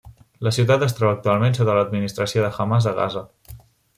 La ciutat es troba actualment sota l'administració de Hamàs a Gaza.